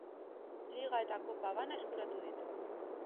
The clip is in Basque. Liga eta Kopa bana eskuratu ditu.